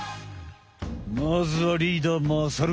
まずはリーダーまさるくん。